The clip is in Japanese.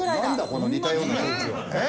この似たような数値は。